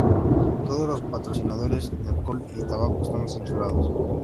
Todos los patrocinadores de alcohol y tabaco están censurados.